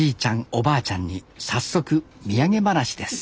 おばあちゃんに早速土産話です